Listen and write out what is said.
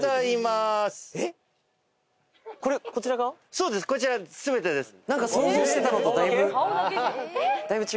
そうですこちら全てです。